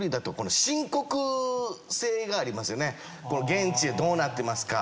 現地でどうなってますか。